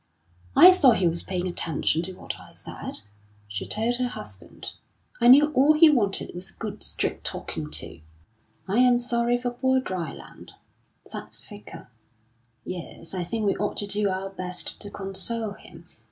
"I saw he was paying attention to what I said," she told her husband. "I knew all he wanted was a good, straight talking to." "I am sorry for poor Dryland," said the Vicar. "Yes, I think we ought to do our best to console him.